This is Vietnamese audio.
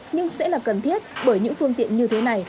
nhưng sẽ là cần thiết bởi những phương tiện như thế này